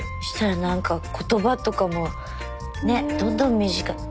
そしたらなんか言葉とかもねえどんどん短。